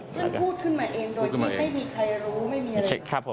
ท่านพูดขึ้นมาเองโดยที่ไม่มีใครรู้ไม่มีอะไร